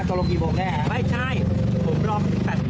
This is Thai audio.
ครับครับครับก็นิมนต์กลับมาครับ